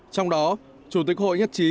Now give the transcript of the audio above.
trong đó chủ tịch quốc hội nhất trí